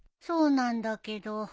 そうなんだけど。